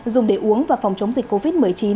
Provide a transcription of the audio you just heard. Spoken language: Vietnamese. dùng để uống và phòng chống dịch covid một mươi chín